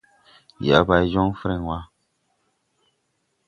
Ndi a bay jɔŋ frɛŋ wà.